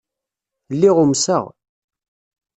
Lliɣ umseɣ.